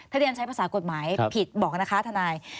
ถ้าเรียนใช้ภาษากฎหมายผิดบอกนะคะทนาย